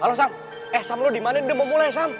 halo sam eh sam lo dimana ini udah mau mulai sam